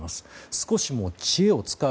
少しでも知恵を使う。